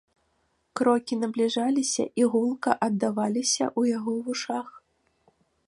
Крокі набліжаліся і гулка аддаваліся ў яго вушах.